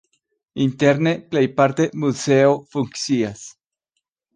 Interne plejparte muzeo funkcias.